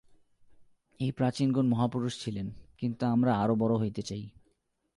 এই প্রাচীনগণ মহাপুরুষ ছিলেন, কিন্তু আমরা আরও বড় হইতে চাই।